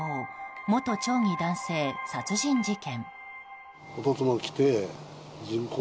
元町議男性殺人事件。